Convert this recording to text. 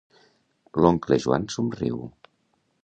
L'oncle Joan somriu.